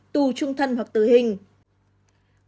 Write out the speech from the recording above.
tù trung thân hoặc tử hình